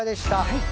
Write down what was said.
はい。